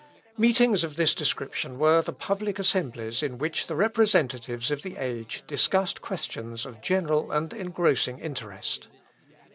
Meetings of this description were the public assemblies in which the representatives of the age discussed questions of general and engrossing interest.